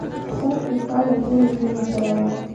کاشکې ستا له ټولو نجونو سره وای.